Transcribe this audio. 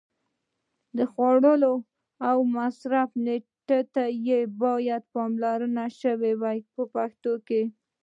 د خوړلو او مصرف نېټې ته باید پاملرنه وشي په پښتو کې.